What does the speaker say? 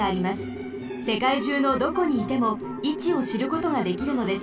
せかいじゅうのどこにいてもいちをしることができるのです。